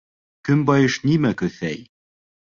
Көнбайыш нимә көҫәй?